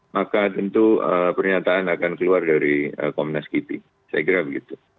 maka tentu pernyataan akan keluar dari komnas kipi saya kira begitu